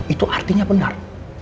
itu artinya benar